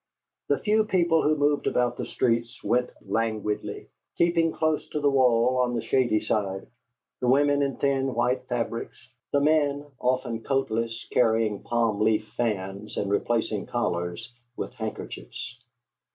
The few people who moved about the streets went languidly, keeping close to the wall on the shady side; the women in thin white fabrics; the men, often coatless, carrying palm leaf fans, and replacing collars with handkerchiefs.